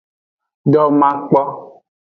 Domakpo.